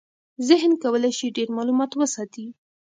ذهن کولی شي ډېر معلومات وساتي.